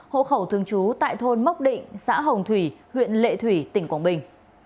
hộ khẩu thương chú tại thôn mốc định xã hồng thủy huyện lệ thủy tỉnh quảng bình